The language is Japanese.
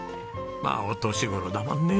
まあお年頃だもんね。